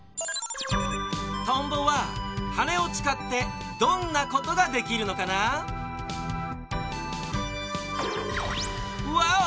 とんぼははねをつかってどんなことができるのかな？ワオ！